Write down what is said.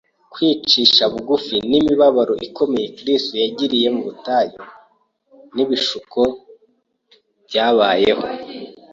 Kwicisha bugufi n’imibabaro ikomeye Kristo yagiriye mu butayu bw’ibishuko byabayeho